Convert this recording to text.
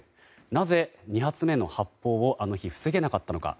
なぜ２発目の発砲をあの日、防げなかったのか。